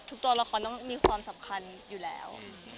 ทุกตัวละครต้องมีความสัพพรรณอยู่แล้ว